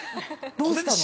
◆どうしたの？